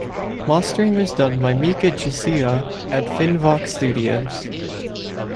Mastering was done by Mika Jussila at Finnvox Studios.